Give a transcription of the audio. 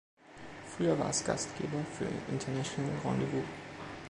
Früher war es Gastgeber für International Rendezvous.